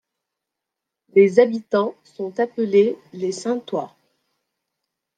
Les habitants sont appelés les Saintois.